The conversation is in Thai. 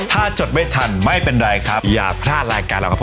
ถ้าจดไม่ทันไม่เป็นไรครับอย่าพลาดรายการเรากับผม